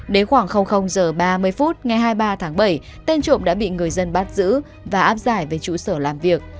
đến khoảng h ba mươi phút ngày hai mươi ba tháng bảy tên trộm đã bị người dân bắt giữ và áp giải về trụ sở làm việc